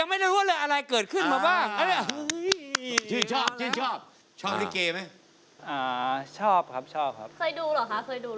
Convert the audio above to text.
เคยดูหรือคะเคยดูหรือ